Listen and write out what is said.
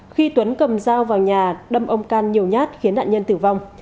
khi tuấn cầm dao vào nhà đâm ông can nhiều nhát khiến nạn nhân tử vong